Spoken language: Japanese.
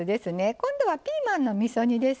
今度はピーマンのみそ煮です。